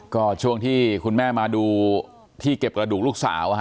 ก็ช่วงที่คุณแม่มาดูที่เก็บกระดูกลูกสาว